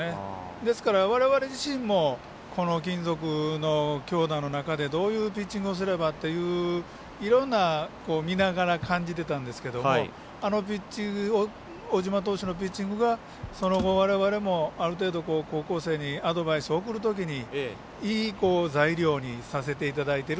われわれ自身も金属の強打の中でどういうピッチングをすればという、いろんな、見ながら感じてたんですけど小島投手のピッチングがその後、われわれも高校生にアドバイスを送るときにいい材料にさせていただいている